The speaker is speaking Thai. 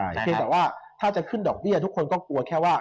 แต่เพียงแต่ว่าถ้าจะขึ้นดอกเบี้ยทุกคนก็กลัวแค่ว่า